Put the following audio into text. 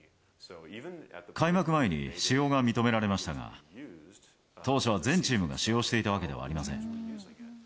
開幕前に使用が認められましたが、当初は全チームが使用していたわけではありません。